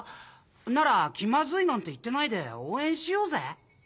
なら気まずいなんて言ってないで応援しようぜ。